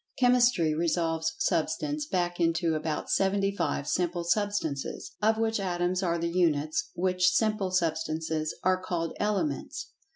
Chemistry resolves Substance back into about seventy five simple substances, of which Atoms are the Units, which simple substances are called "Elements."